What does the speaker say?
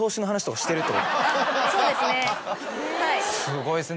すごいですね。